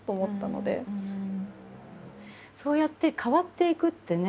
そうやって変わっていくってね